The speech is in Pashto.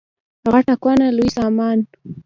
غټه کونه لوی سامان.